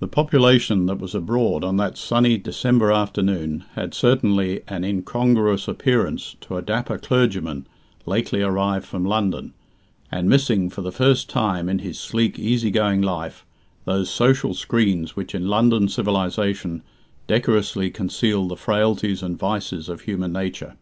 The population that was abroad on that sunny December afternoon had certainly an incongruous appearance to a dapper clergyman lately arrived from London, and missing, for the first time in his sleek, easy going life, those social screens which in London civilization decorously conceal the frailties and vices of human nature.